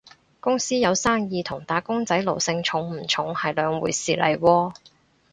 公司有生意同打工仔奴性重唔重係兩回事嚟喎